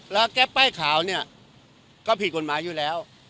แล้วแก๊ปป้ายขาวเนี่ยก็ผิดกฎหมายอยู่แล้ว